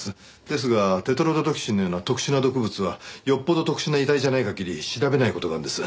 ですがテトロドトキシンのような特殊な毒物はよっぽど特殊な遺体じゃない限り調べない事があるんです。